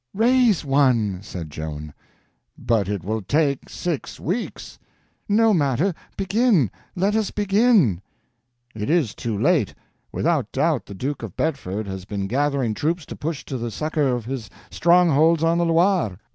"Raise one!" said Joan. "But it will take six weeks." "No matter—begin! let us begin!" "It is too late. Without doubt the Duke of Bedford has been gathering troops to push to the succor of his strongholds on the Loire."